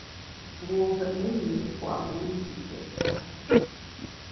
Ngu ngùet yùm ’i pua’ meyi ndi ektari.